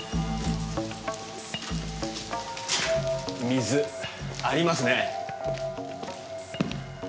水ありますね。